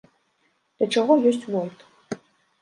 Для чаго ёсць войт?